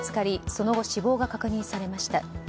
その後、死亡が確認されました。